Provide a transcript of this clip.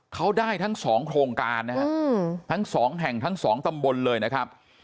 เขาได้ทั้งสองโครงการนะฮะทั้งสองแห่งทั้งสองตำบลเลยนะครับ